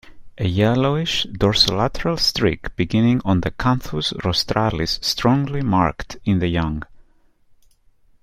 A yellowish dorsolateral streak beginning on the "canthus rostralis" strongly marked in the young.